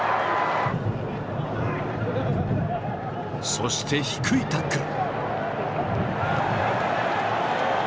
そして低いタックル！